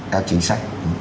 các chính sách